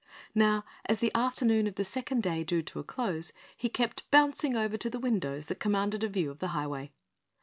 Now, as the afternoon of the second day drew to a close, he kept bouncing over to the windows that commanded a view of the Highway.